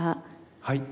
はい。